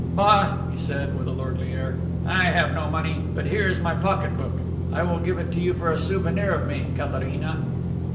"Bah!" said he, with a lordly air, "I have no money. But here is my pocket book; I will give it to you for a souvenir of me, Katharina."